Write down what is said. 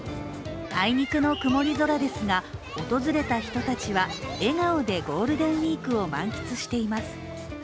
あいにくの曇り空ですが訪れた人たちは笑顔でゴールデンウイークを満喫しています。